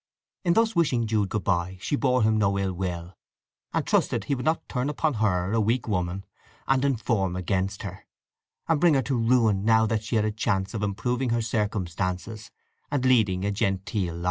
In thus wishing Jude good bye she bore him no ill will, and trusted he would not turn upon her, a weak woman, and inform against her, and bring her to ruin now that she had a chance of improving her circumstances and leading a genteel life.